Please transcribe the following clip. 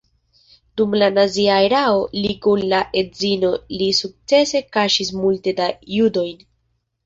Dum la nazia erao li kun la edzino li sukcese kaŝis multe da judojn.